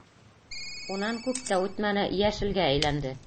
Унан, күп тә үтмәне, йәшелгә әйләнде.